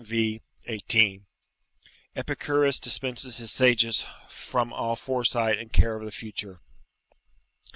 18.] Epicurus dispenses his sages from all foresight and care of the future.